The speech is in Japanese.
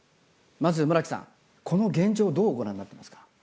まず村木さんこの現状をどうご覧になってますか？